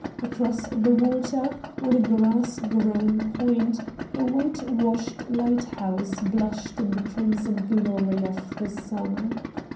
Across the water, on a grass grown point, a whitewashed light house blushed in the crimson glory of the sun.